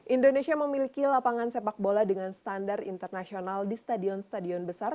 indonesia memiliki lapangan sepak bola dengan standar internasional di stadion stadion besar